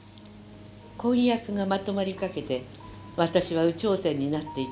「婚約がまとまりかけて私は有頂天になっていて。